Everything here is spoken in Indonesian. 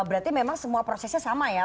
berarti memang semua prosesnya sama ya